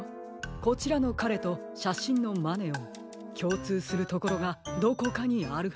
こちらのかれとしゃしんのマネオンきょうつうするところがどこかにあるはずです。